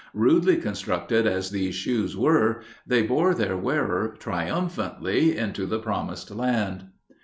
Rudely constructed as these shoes were, they bore their wearer triumphantly into the promised land.